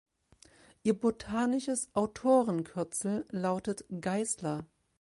Ihr botanisches Autorenkürzel lautet „Geissler“.